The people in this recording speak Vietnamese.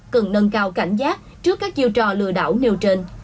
cần nâng cao cảnh giác trước các chiêu trò lừa đảo nêu trên